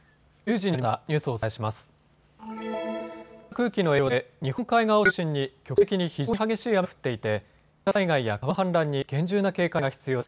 前線や湿った空気の影響で日本海側を中心に局地的に非常に激しい雨が降っていて土砂災害や川の氾濫に厳重な警戒が必要です。